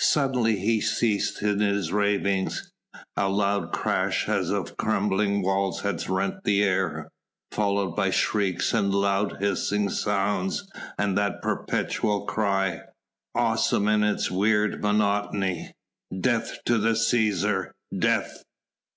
Suddenly he ceased in his ravings; a loud crash as of crumbling walls had rent the air, followed by shrieks and loud hissing sounds and that perpetual cry, awesome in its weird monotony: "Death to the Cæsar! Death!"